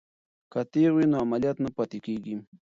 که تیغ وي نو عملیات نه پاتې کیږي.